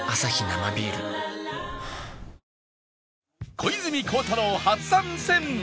小泉孝太郎初参戦！